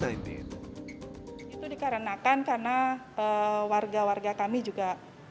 itu dikarenakan karena warga warga kami juga